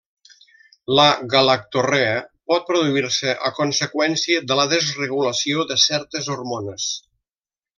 La galactorrea pot produir-se a conseqüència de la desregulació de certes hormones.